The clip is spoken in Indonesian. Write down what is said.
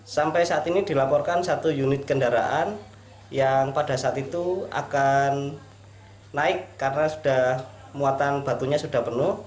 sampai saat ini dilaporkan satu unit kendaraan yang pada saat itu akan naik karena sudah muatan batunya sudah penuh